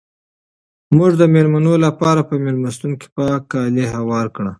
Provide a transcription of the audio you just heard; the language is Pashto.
موږ د مېلمنو لپاره په مېلمستون کې پاک کالي هوار کړل.